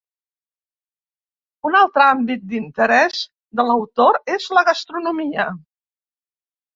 Un altre àmbit d'interès de l'autor és la gastronomia.